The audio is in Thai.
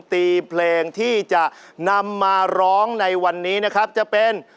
ตีเพลงที่จะนำมาร้องในวันนี้นะครับจะเป็น